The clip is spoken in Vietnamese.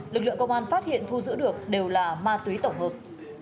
lực lượng công an phát hiện thu giữ được đều là ma túy tổng hợp